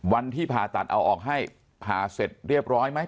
วันที่ผ่าตัดเอาออกให้ผ่าเสร็จเรียบร้อยไหม